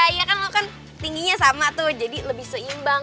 iya kan lo kan tingginya sama tuh jadi lebih seimbang